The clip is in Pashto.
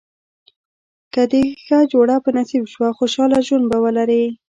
که دې ښه جوړه په نصیب شوه خوشاله ژوند به ولرې.